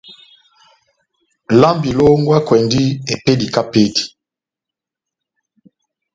Lambi lohengwakwɛndi epédi kahá epédi.